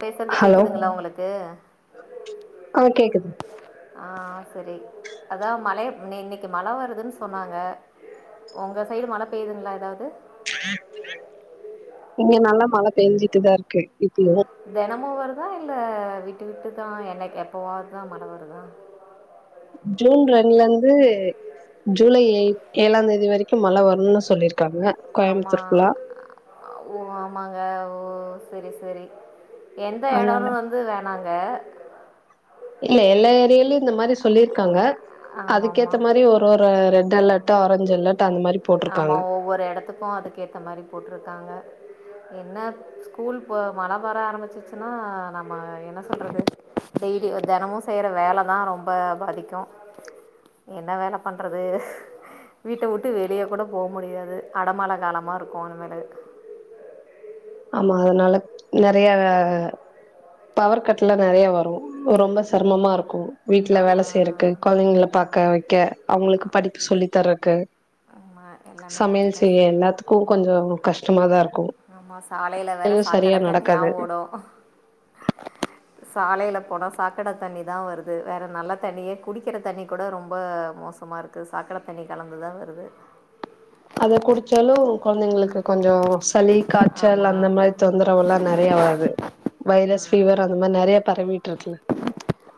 பேசுறது கேக்குதுங்களா உங்களுக்கு ஆஹ் கேக்குது ஆ செரி அதா மழை இன் இன்னிக்கு மழ வருதுன்னு சொன்னாங்க உங்க சைடு மழ பெய்யுதுங்களா எதாவது இங்க நல்லா மல பேஞ்சுட்டுதாயிருக்கு தெனமு வர தா இல்ல விட்டுவிட்டுதா என்னைக் எப்பவாதுதா மழ வருதா ஜூன் ரெண்டுல இருந்து ஜூலை எயிட் ஏழாந் தேதி வரைக்கு மழ வரும்னு சொல்லிருக் ஆமா ஓ ஆமாங்க ஓ செரி செரி எந்த அதனால இடோன்னு வந்து வே ணாங்க இல்ல எல்லா ஏரியாலயோ இந்த மாரி சொல்லியிருக்காங்க அதுக்கேத்த ஆமாம்மா மாரி ஒரு ஒரு ரெட் அலர்ட்டா ஆரஞ்ச் அலர்ட் அந்த மாரி ஆமா போட்ருக்காங்க ஒவ்வொரு இடத்துக்கும் அதுக்க ஏத மாரி போட்டிருக்காங்க என்ன ஸ்கூல் மழ பர ஆரம்பிச்சுச்சுன்னா நம்ம என்ன சொல்றது டெய்லி தினமும் செய்யற வேலதான் ரொம்ப பாதிக்கும் என்ன வேல பண்றது வீட்ட விட்டு வெளிய கூட போ முடியாது அடமாழ காலமா இருக்கும் அது மேல ஆமா அதனால நெறைய பவர் கட்லாம் நறைய வரும் ரொம்ப சிரமமா இருக்கும் வீட்டு்ல வேல செய்யறக்கு குழந்தகள பாக்க வெ கே அவங்களுக்கு படிப்பு சொல்லி தர்றக்கு ஆமாம் எல்லாமே கொஞ்சம் சமையல் செய்ய கஷ்டம் எல்லாத்துக்கும் கொஞ்சம் கஷ்டமாதான் இருக்கும் ஆமாம் சாலையில் வேறு எதயும் சரியா நடக்காது சாலையில போனா சாக்கட தண்ணி தான் வருது வேற நல்ல தண்ணியே குடிக்கிற தண்ணி கூட ரொம்ப மோச க்கமா இருக்குது சாக்கட தண்ணி கலந்துதான் வருது அத குடிச்சாலும் குழந்தைங்களுக்கு கொஞ்சம் சளி காய்ச்சல் அந்த ஆமாம் மாரி தொந்தரவெயல்லாம் ந பிரேயர ஆது வைரஸ் பிவர் அந்த மாரி நிறைய பரவிட்டு இருக்குல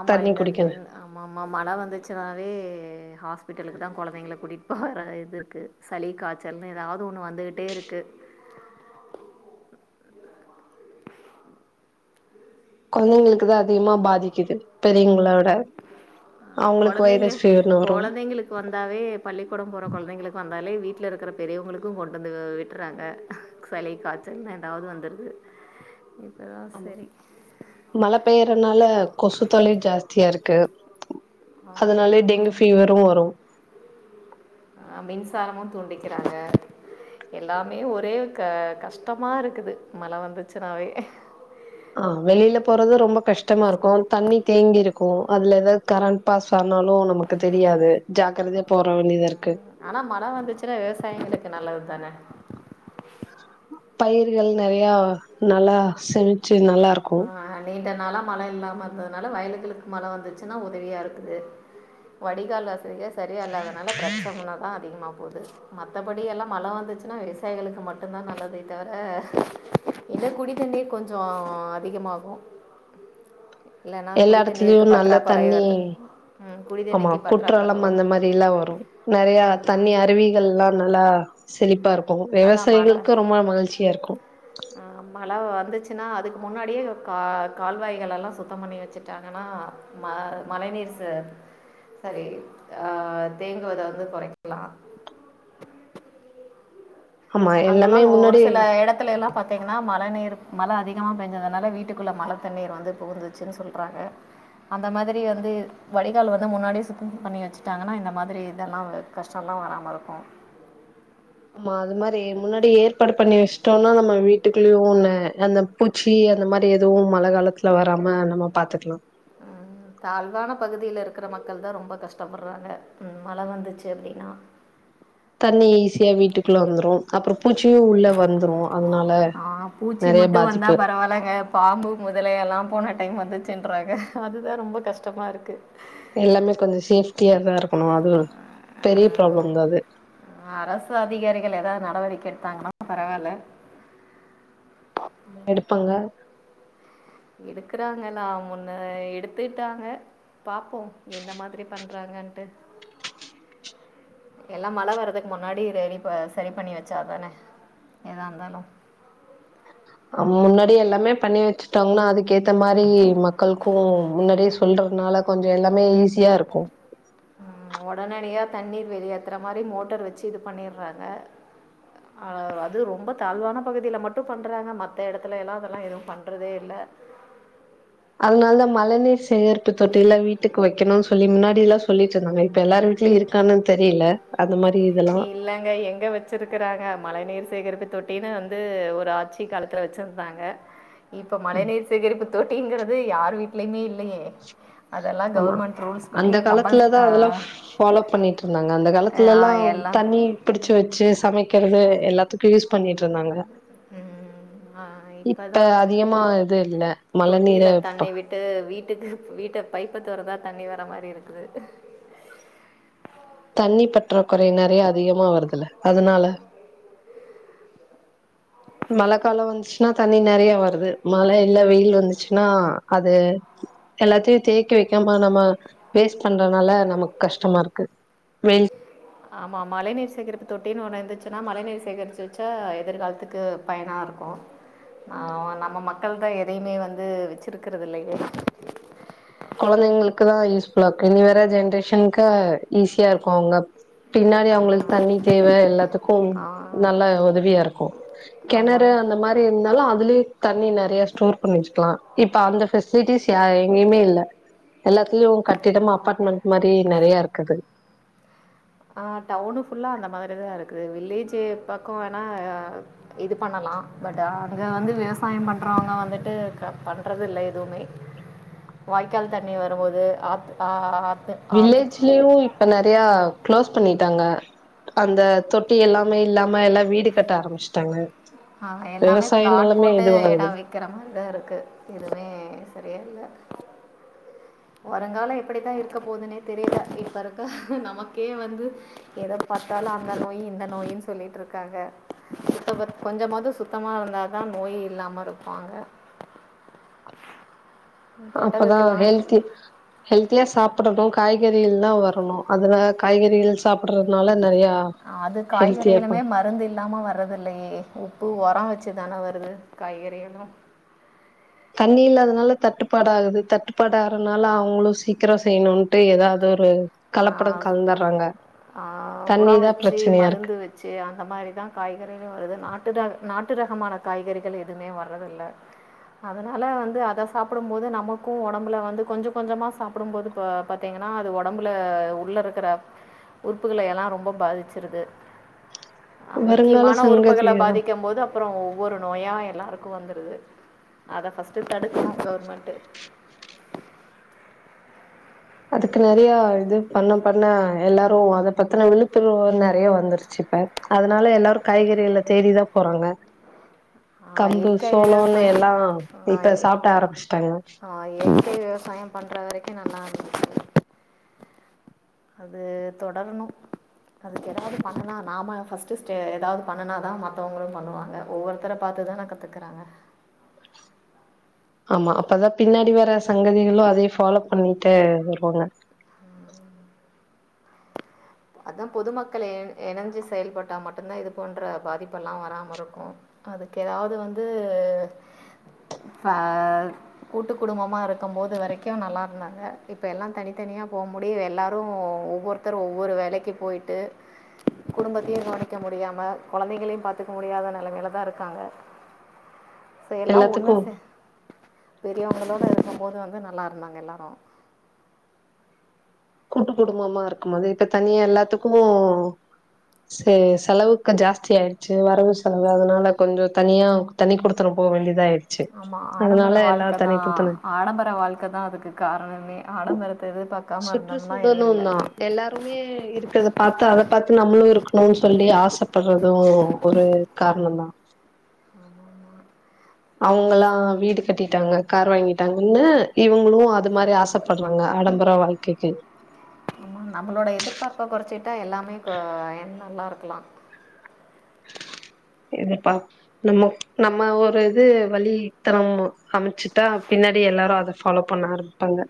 ஆமாம் தண்ணி இந்த குடிக்கவே ஆமாம் ஆமாம் வீட்டலுக்கு தான் குழந்தங்கல கூட்டிகிட்டு போகர இது இருக்குது சளி காய்ச்சல்னு ஏதாவது ஒன்னு வந்துக்கிட்டே இருக்கு குழந்தைங்களுக்கு தான் அதிகமா பாதிக்குது பெரியங்களோட குழந்தைங்க குழந்தைங்களுக்கு வந்தாவே பள்ளிக்கூடம் போற குழந்தைங்களுக்கு வந்த அதனால வீட்டில இருக்கிற பெரியவங்களுக்கும் கொண்டு வந்து விட்டுறாங்க சலி காய்ச்சலன்னு ஏதாவது வந்துடுது இப்போ தான் ஆமா சரி மழை பெய்யறதுனால கொசு தொலையும் ஜாஸ்தியா இருக்கு அதனாலே டெங்கு பீவரும் வரும் ஆ மின்சாரமும் தூண்டிக்கிறாங்க எல்லாமே ஒரே க கஷ்டமா இருக்குது மழ வந்துச்சுன்னாவே ஆ வெளியல போறது ரொம்ப கஷ்டமா இருக்கும் தண்ணி தேங்கிருக்கும் அதுல ஏதாவது கரண்ட் பாஸ் அனாலும் நமக்கு தெரியாது ஜாக்கிரதைய போராவணித இரு ஆனா மழ வந்துச்சுன்னா விவசாயிங்களுக்கு நல்லது தானே பயிர்கள் நெறைய நல்லா செமிச்சு இ து நல்லா இருக்கும் இதனாலா மழ இல்லாம இருந்ததுனால வயலுகளுக்கு மழ வந்துச்சுன்னா உதவியா இருக்குது வடிகால ச சரிய அல்லதுனால பிரச்சனம் தான் அதிகமாகும் போது மத்தபடி எல்லாம் மழ வந்துச்சுன்னா விவசாயிகளுக்கு மட்டுும் தான் நல்லதே தவிர இன்ன குடித்தண்ணீர் கொஞ்சம் அதிகமாகும் இல்லைன்னா எல்லா குடி தண்ணீருக்கு இடத்துலயும் நல்ல பற்றாக்குறை தண்ணி வருது ம், குடி ஆமா தண்ணிக்கு பற்றாக்குறை குற்றாலம் அந்த வரும் மாரில்லாம் வரும் நிறைய தண்ணி அருவிகள் எல்லாம் நல்லா சரிிப்பா இரு ஓ அதான் மழை விவசாயிகளுக்கு ரொம்ப மகிழ்ச்சியா இருக்கும் மழை வந்துச்சுன்னா அதுக்கு முன்னாடியே கா கால்வாய்கள் எல்லாம் சுத்தம் பண்ணி வச்சுட்டாங்கன்னா ம மழைநீர் சாரி ஆ தேங்குவத வந்து குறைக்கலாம் ஆமா எல்லாமே அங்கெல்லாம் ஒரு முன்னாடி சில இடத்துல எல்லாம் பாத்தீங்கன்னா மழ நீர் மழ அதிகமா பெஞ்சதுனால வீட்டுக்குள்ள மழ தண்ணீர் வந்து புகுந்துச்சுன்னு சொல்றாங்க அந்த மாரி வந்து வடிகால் வந்து முன்னாடியே சுத்தம் பண்ணி வச்சுட்டாங்கன்னா இந்த மாரி இதெல்லாம் கஷ்டம் எல்லாம் வராம இருக்கும் ஆமா அது மாரி முன்னாடி ஏற்பாடு பண்ணி வச்சுட்டோம்னா நம்ம வீட்டுக்குள்ளயும் ஒண்ண அந்த பூச்சி அந்த மாரி எதுவும் மழ காலத்துல வராம நம்ம பாத்துக்கலாம் தாழ்வான பகுதில இருக்கிற மக்கள் தா ரொம்ப கஷ்டப்படாறாங்க ம் மழ வந்துச்சு அப்டின்னா ஈஸியா வீட்டுக்குள்ள வந்துரு அப்பற பூச்சு உள்ள வந்துரு அதனால ஆ பூச்சி நெறைய மட்டும் வந்தா பாதிப்பு பரவாயில்லங்க பாம்பு முதலயல்லாம் போன டைம் வந்துச்சுன்றாங்க அதுதா ரொம்ப கஷ்டமா இருக்கு எல்லாமே கொஞ்ச சேஃப்டியாதா இருக்கணு அது ஆ, பெரிய ப்ராப்ள தா அது அரசு அதிகாரிகள் எதா நடவடிக்க எத்தாங்கனா பரவால்ல எடுப்பாங்க எடுக்கறாங்கலா முன்ன எடுத்துட்டாங்க பாப்போம் இந்த மாரி பண்றாங்கன்ட்டு எல்லா மழ வரதுக் முன்னாடி ரெடி ப சரி பண்ணி வச்சாதனே எதாருந்தாலும் அம் முன்னாடியே எல்லாமே பண்ணி வச்சுட்டாங்கனா அதுக்கேத்த மாரி மக்களுக்கு முன்னாடியே சொல்றனால கொஞ்ச எல்லாமே ஈஸியா இருக்கும் ம் ஒடனடியா தண்ணீர் வெளியேத்தற மாரி மோட்டர் வச்சு இது பண்ணிறாங்க அது ரொம்ப தாழ்வான பகுதில மட்டும் பண்றாங்க மத்த எடத்துல எல்லா அதெல்லாம் எதுவு பண்றதே இல்ல அதனால தா மழைநீர் ப்ல்லிம் மின்னாடில்லா சொல்லிட்டுருந்தாங்க இப்ப எல்லார வீட்டுலயும் இருக்கானு தெரில அது மா இல்லங்க எங்க வச்சிருக்குறாங்க மழை நீர் சேகரிப்பு தொட் டின்னு வந்து ஒரு ஆட்சி காலத்துல வச்சிருந்தாங்க இப்ப மழ நீர் சேகரிப்பு தொட்டிங்குறது யார் வீடலேயமே அமா ரூல்ஸ் படி அந்த கம்பல் காலத்தலதா அதல்லா ஃபாலோ பண்ணிட்டுருந்தாங்க அந்த காலத்தல்லாம் எல்லாம் தண்ணி புடிச்சு வச்சு சமக்கறது எல்லாத்துக்கு யூஸ் பண்ணி ந்தாங்க இப்போ இப்ப தான் அதிகமா இது இல்ல மழ நீர ப்ப ட்டுக்கு வீட்ட பைப்ப தொறந்த தண்ணி வர மாரி இருக்குது தண்ணி பற்றாகுறை நெறைய அதிகமா வருதுல அதனால மழ கால வந்ச்சுன்னா தண்ணி நெறலயா வருது மழ இல்ல வெயில் வந்துச்சுன்னா அது எல்லாத்தையும் தேக்கி வைக்காம நம்ம வேஸ்ட் பண்றனால நமக்கு கஷ்டமா இருக்கு வெயில் ஆமா மழ நீீர் சேகரிப்பு தொட்டினு ஓன்னு இந்துச்சுன்னா மழநீர் சேகரிச்ச வச்சா எதிர்காலத்துக்கு பயனா இருக்கு ஆ நம்ப மக்கள் தா எதையுமே வந்து வச்சிருக்குறது இல்லயே கொழந்தைங்ளுக்கு தா யூஸ்ஃபுலாக்கு இனி வற ஜென்ரேஷனுக்கு ஈஸியா இருக்கு அவுங்க பின்னாடி ஆமா அவங்களு தண்ணி தேவ எல்லாத்துக் க்கும் ஆ நல்ல உதவியா இருக்கும் ஆமா கெணறு அந்த மாரி இருந்தாலும் அதுலயே தண்ணி ந யேஸ்டோர் பண்ணிவச்சுக்கலா இப்ப அந்த பெசிலிட்டிஸ் எங்யுமே இல்ல எல்லாத்யும் கட்டிடமா அப்பார்ட்மெண்ட் மாரி நெறைய இருக்குது ஆ டவுனு ஃபுல்லா அந்த மாரிதா இருக்குது வில்லேஜ்ஜே பக்க வேனா இது பண்ணலாம் பட் அங்க வந்து விவசாய பண்றாங்க வந்துட்டு பண்றது இல்ல எதுவுமே வாய்க்கால் தண்ணி வரும்போது ஆத்து ஆ வில்லேஜ்லயு இப்ப நெறைய க்லாஸ் பண்ணிட்டாங்க அந்த தொட்டி எல்லாமே இல்லாம எல்லா வீடு கட்ட ஆரம்ச்சிட்டாங்க ஆ எல்லாமே பிளாட் போட்டு இதுவாகுது எடம் விக்குற மாரிதா இருக்கு எதுவுமே சரியா இல்ல வருங்கால எப்டித்தா இருக்க போதுன்னே தெரில இப்ப இருக்க நமக்கே வந்து எத பார்த்தாலு அங்க நோயி இந்த நோயின் சொல்லிட்ருக்காங்க கொஞ்சமது சுத்தமா இருந்தாதா நோயி இல்லாம இருப்பாங்க அப்பதா தொட்டதுக்கெல்லாம் ஹெல்தி ஹெல்தியா சா ப்புடணு காய்கறிள்ளா வரணு அதுல காய்கறிகள் சாப்படறதுனால அது காய்கறியிலுமே மருந்து இல்லாம வர்றது இல்லயே உப்பு உரம் வச்சு தானே வருது காய்கறிகளும் தண்ணி இல்லாதனால தட்டுப்பாடு ஆகுது தட்டுப்பாடு ஆறதுனால அவங்களு சீக்கிர செய்யணும்ட்டு ஏதாவது ஒரு ஹ கலப்படம் கலந்துடுறாங்க ஆஹ் உரோ தண்ணிதா வச்சி பிரச்சனையா இருக்கு மருந்து வச்சி அந்த மாரிதா காய்கறிலும் வருது நாட்டுதா நாட் டு ரகமான காய்கறிகள் எதுவுமே வர்த இல்ல அதனால வந்து அத சாப்பிடும் போது நமக்கு உடம்புல வந்து கொஞ்ச கொஞ்சமா சாப்பிடும் போது ப-பாத்தீங்கன்னா அது உடம் புல உள்ள இருக்கிற உறுப்புகள எல்லா ரொம்ப பாதிச்சிருக்கு ஹ் வருங்கால முக்கியமான உறுப்புகள சங்கதிதா பாதிக்கும் போது அப்புறோம் ஒவ்வொரு நோயா எல்லா ர்க்கு வந்துடுது அத ஃபர்ஸ்ட் தடுக்குனு கவர்மெண்ட் அதுக்கு நெறைய இது பண்ண பண்ண எல்லாரும் அத பத்தினா விழுப்புணர்வு நெறைய வந்துருச்சு இப்ப அதனால எல்லாரு காய்கறிகில தேடிதா போறாங்க கம்பு இயற்கை சோளம் விவசாயம் எல்லா இப்ப சாப்ட்ட ஆரம்பிச்சிட்டாங்க கை விவசாயம் பண்ற வரைக்கு நல்லார்ந்தது அது தொடரணு அதுக்கு ஏதாவது பண்ணனா நாம ஃபர்ஸ்ட்ட ஏதாவது பண்ணனாதா மத்தவங்களு பண்ணுவாங்க ஒவ்வொருத்தர பாத்துதானே கத்துக்கறாங்க ஆமா அப்பதா பின்னாடி வர சங்கதிகளும் அதே ஃபாலோ பண்ணிட்டு வருவாங்க அதா பொதுமக்கள் இ-இணைஞ்சு செயல்பட்டா மட்டுந்தா இது போன்ற பாதிப்பெல்லா வராம இருக்கோ அதுக்கு ஏதாவது வந்து ஃபேமி கூட்டு குடும்பமா இருக்கும் போது வரைக்கு நல்லா இருந்தாங்க இப்ப எல்லா தனித்தனியா போ முடியு எல்லாரு ஒவ்வொருத்தரு ஒவ்வொரு வே லைக்கு போயிட்டு குடும்பத்தையு கவனிக்க முடியாம குழந்தைங்களையு பாத்துக்க முடியாத நிலைமில தா இருக்காங்க செ எல்லா ஒண்ணு எல்லாத்துக்கு செ பெரியவங்களோட இருக்கும்போது வந்து நல்லா இருந்தாங்க எல்லாரு கூட்டு குடும்பமா இருக்கும் அது இப்ப தனியா எல்லாத்துக்கோ செ-செலவு கொஞ்ச ஜாஸ்தி ஆயிடுச்சு வரவு செலவு அதனால கொஞ்ச தனியா தனி குடுத்தனாம் போ வேண்டியதா ஆயடு ஆமா ஆடம்பர வாழ்க்கை தா ஆடம்பர வாழ்க்கை தான் அதுக்கு காரணமே ஆடம்பரத்த எதிர்பார்க்க சுற்றுச்சூழலும் தான் எல்லாருமே இருக்கத பார்த்து அத பார்த்து நம்மளு இருக்கணும்னு சொல்லி ஆசப்படுறதும் ஒரு காரணம் தான் அவங்களா வீடு கட்டிட்டாங்க கார் வாங்கிட்டாங்கன்னு இவங்களு அது மாரி ஆசைப்படுறாங்க ஆடம்பர வாழ்க்கைக்கு ம் நம்மளோட எதிர்பார்ப்ப குறைச்சிட்டா எல்லாமே கோ நல்லா இருக்கலா எதுப்பா நம்ம-நம்ம ஒரு இது வழி த்தர மைச்சிட்டா பின்னாடி எல்லாரு அத ஃபாலோ பண்ண ஆரம்பிப்பாங்க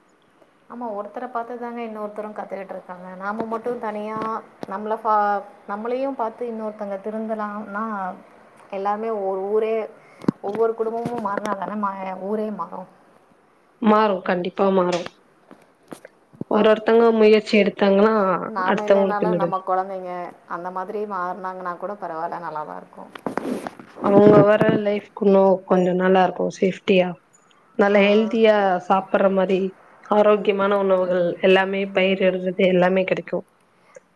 ஆமா ஒருத்தர பாத்துதாங்க இன்னொருத்தரு கத்துக்கிட்டு இருக்காங்க நாம மட்டு தனியா நம்மள பா நம்மளையு பார்த்து இன்னொருத்தங்க திருந்தலாம்னா எல்லாருமே ஒரு ஊரே ஒவ்வொரு குடும்பமும் மாற்னாங்கனா ஊரே மாறு மாறும் கண்டிப்பா மாறும் பாப்போம். ஒருஒத்தவங்க முயற்சி எடுத் நாம இல்லனாலு நம்ம குழந்தைங்க அந்த மாதிரி மாறனாங்கன்னா கூட பரவாயில்ல நல்லா தான் இருக்கோ அவங்க வர லைஃப்க் நோ கொஞ்ச நல்லா இருக்கு சேஃப்டியா நல்லா ஆ ஹெல்த்தியா சாப்பர்ர மாரி ஆரோக்கியமான உணவுகள் எல்லாமே பயர் எருகல் எல்லாமே கிடைக்கோ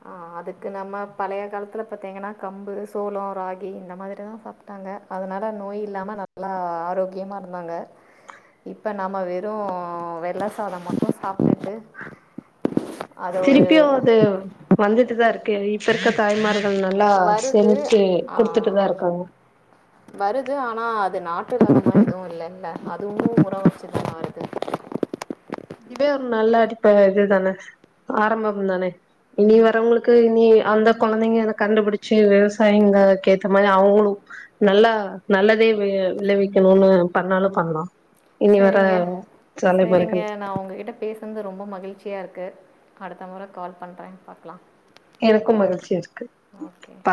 ஆஹ் அதுக்கு நம்ம பழைய காலத்துல பாத்தீங்கன்னா கம்பு சோளம் ராகி இந்த மாதிரிதா சாப்ட்டாங்க அதனால நோய் இல்லாம நல்லா ஆரோக்கியமா இருந்தாங்க இப்ப நம்ம வெறு வெள்ள சாதம் மட்டு சாப்டுட்டு திருப்பியு அது வந்துட்டுதான் ருக்கே வீட்ல இருக்க தாய் மார் வருது ஆஹ் இருக்காங்க வருது ஆனா அது நாட் இயற்கை எதுவும் இல்லால அதுவு உற வச்சி தானே வருது இதுவே ஒரு நல்ல அடிப்ப இது தானே ஆரம்பம் தானே இனி வர்வங்களுக்கு இனி அந்த கொலைந்தைங்க அத கண்டுபிடிச்சு விவசாயிங்கக்க ஏத்த மாரி அவங்களு நல்லா நல்லதே விளைவிக்கனோனு பண்ணாலும் பண்ணலாம் இனி வர சரிங்க சரிங்க சமீபர்கள் நான் உங்ககிட்ட பேசறது ரொம்ப மகிழ்ச்சியா இருக்கு அடுத்த முறை கால் பண்ற பாக்கலாம் எனக்கும் மகிழ்ச்சியா இருக்கு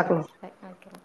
பை ஓகே